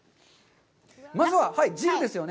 まずは、汁ですよね？